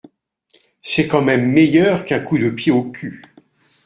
C’est quand même meilleur qu’un coup de pied au cul